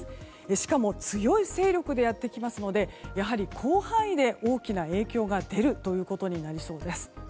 しかも強い勢力でやってきますのでやはり広範囲で大きな影響が出るということになりそうです。